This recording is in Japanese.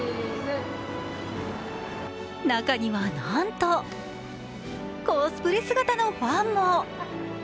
中にはなんと、コスプレ姿のファンも。